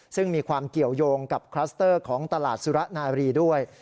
ซึ่งมีความเกี่ยวยงกับคลัสเตอร์ของตลาดสุระนาบรีด้วย